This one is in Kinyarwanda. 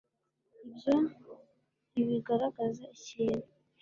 ibyo ntibigaragaza ikintu